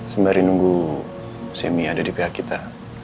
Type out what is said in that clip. sembari nunggu semi ada di pihak kita